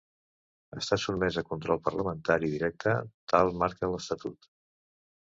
Està sotmès a control parlamentari directe, tal marca l'estatut.